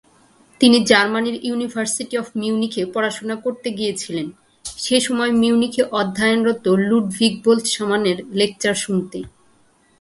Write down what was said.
তিনি জার্মানির university of মিউনিখ-এ পড়াশোনা করতে গিয়েছিলেন সেসময় মিউনিখে অধ্যয়নরত লুডভিগ বোলৎসমানের লেকচার শুনতে।